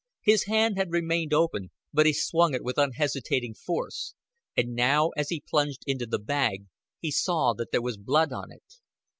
His hand had remained open, but he swung it with unhesitating force; and now, as he plunged it into the bag, he saw that there was blood on it.